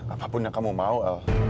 apapun yang kamu mau